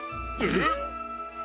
えっ？